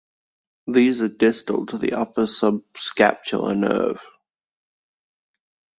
These are distal to the upper subscapular nerve.